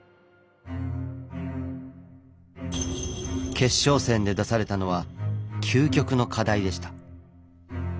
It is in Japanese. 決勝戦で出されたのは究極の課題でした。